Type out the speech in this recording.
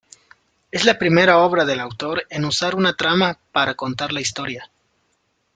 Es la primera obra del autor en usar una trama para contar la historia.